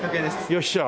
よっしゃ。